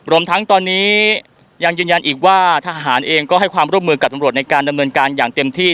รวมทั้งตอนนี้ยังยืนยันอีกว่าทหารเองก็ให้ความร่วมมือกับตำรวจในการดำเนินการอย่างเต็มที่